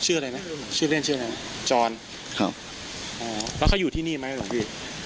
อะไรนะชื่อเล่นชื่ออะไรจรครับอ๋อแล้วเขาอยู่ที่นี่ไหมหลวงพี่